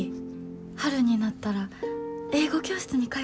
春になったら英語教室に通おうか。